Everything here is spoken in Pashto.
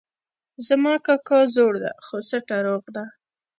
زما کاکا زوړ ده خو سټه روغ ده